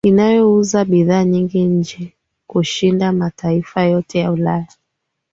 Inayouza bidhaa nyingi nje kushinda mataifa yote ya Ulaya